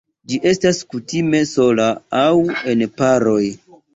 Ĝi estas kutime sola aŭ en paroj.